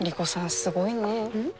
すごいね。